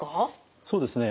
そうですね